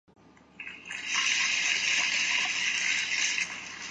他坚定的支持当前美国的反恐战争以及伊拉克战争。